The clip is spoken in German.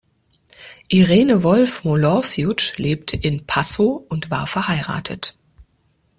Irene Wolff-Molorciuc lebte in Passow und war verheiratet.